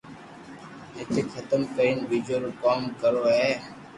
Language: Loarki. ايني ختم ڪرين بيجو بو ڪوم ڪروُ ھي